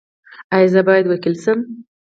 ایا زه باید وکیل شم؟